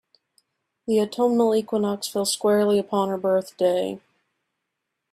The autumnal equinox fell squarely upon her birthday.